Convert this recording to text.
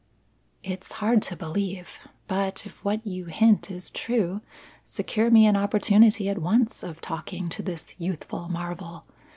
"It's hard to believe. But if what you hint is true, secure me an opportunity at once of talking to this youthful marvel.